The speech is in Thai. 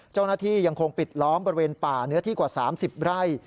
เจ้าหน้าที่ยังคงปิดล้อมบริเวณป่าเนื้อที่กว่า๓๐ไร่